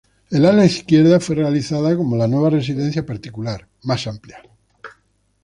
El ala izquierda fue realizada como la nueva residencia particular, más amplia.